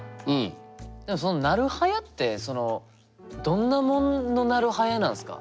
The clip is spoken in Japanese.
なるはやってそのどんなもんのなるはやなんですか？